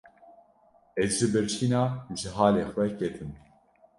Ez ji birçîna ji halê xwe ketim.